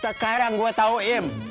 sekarang gue tau im